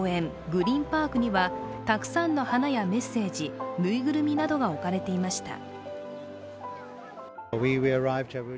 グリーンパークにはたくさんの花やメッセージぬいぐるみなどが置かれていました。